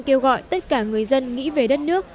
kêu gọi tất cả người dân nghĩ về đất nước